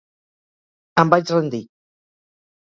Em vaig rendir.